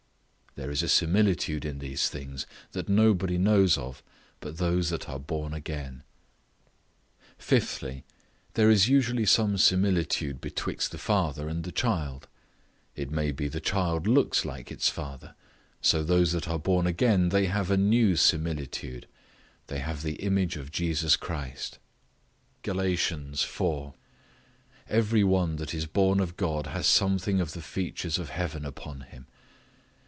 There is a similitude in these things that nobody knows of but those that are born again. Fifthly, There is usually some similitude betwixt the father and the child; it may be the child looks like its father; so those that are born again, they have a new similitude, they have the image of Jesus Christ (Gal. iv.), every one that is born of God has something of the features of heaven upon him.